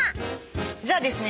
じゃあですね